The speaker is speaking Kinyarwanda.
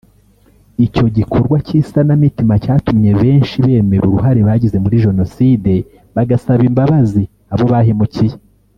Icyo gikorwa cy’isanamitima cyatumye benshi bemera uruhare bagize muri Jenoside bagasaba imbabazi abo bahemukiye